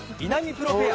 プロペア。